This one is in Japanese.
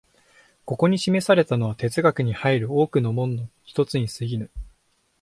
ここに示されたのは哲学に入る多くの門の一つに過ぎぬ。